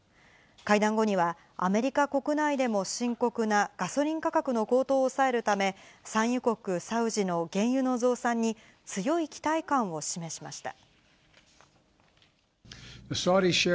会談後には、アメリカ国内でも深刻なガソリン価格の高騰を抑えるため、産油国サウジの原油の増産に、強い期待感を示しました。